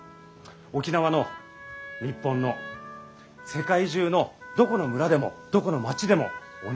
沖縄の日本の世界中のどこの村でもどこの街でも同じなんです。